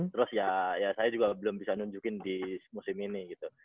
terus ya saya juga belum bisa nunjukin di musim ini gitu